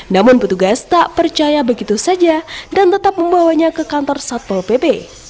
namun petugas tak percaya begitu saja dan tetap membawanya ke kantor satpol pp